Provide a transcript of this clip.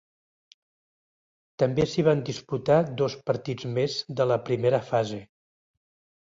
També s'hi van disputar dos partits més de la primera fase.